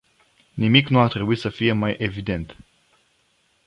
Nimic nu ar trebui să fie mai evident.